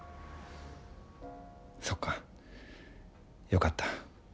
そっかよかった。